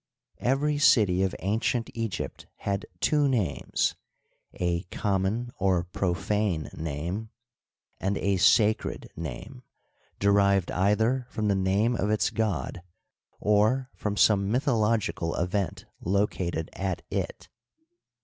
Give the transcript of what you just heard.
Every city of ancient Egypt had two names — a common orprofane name and a sacred name, derived either from the name of its god or from some mythological event located at it.